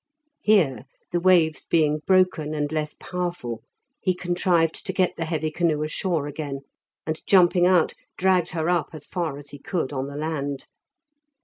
Here, the waves being broken and less powerful, he contrived to get the heavy canoe ashore again, and, jumping out, dragged her up as far as he could on the land.